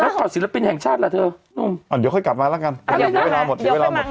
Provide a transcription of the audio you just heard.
ข่าวศิลปินแห่งชาติล่ะเธอเดี๋ยวค่อยกลับมาแล้วกันเดี๋ยวเวลาหมดเดี๋ยวเวลาหมด